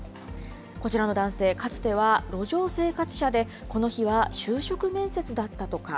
こちらの男性、かつては路上生活者で、この日は就職面接だったとか。